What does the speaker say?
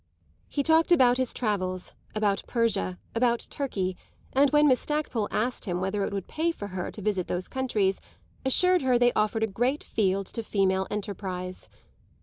He talked about his travels, about Persia, about Turkey, and when Miss Stackpole asked him whether it would "pay" for her to visit those countries assured her they offered a great field to female enterprise.